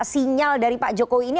sinyal dari pak jokowi ini